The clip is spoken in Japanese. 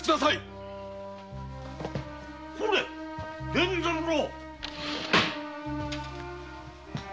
これ連三郎。